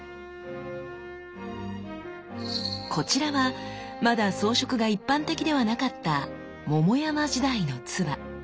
こちらはまだ装飾が一般的ではなかった桃山時代の鐔。